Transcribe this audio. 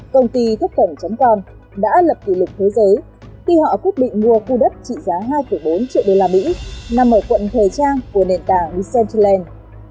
công ty thúc tẩn com đã lập kỷ lực thế giới khi họ quyết định mua khu đất trị giá hai bốn triệu usd nằm ở quận thời trang của nền tảng decentraland